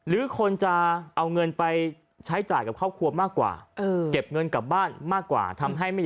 หรือคนจะเอาเงินไปใช้จ่ายกับครอบครัวมากกว่าเก็บเงินกลับบ้านมากกว่าทำให้ไม่มี